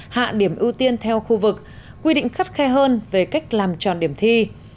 hạ điểm ưu tiên theo khu vực quy định khắt khe hơn về cách làm tròn điểm thi